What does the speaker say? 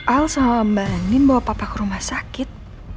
al sama andin bawa papa ke rumah sakit